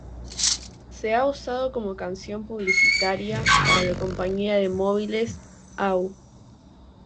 Se ha usado como canción publicitaria para la compañía de móviles "au".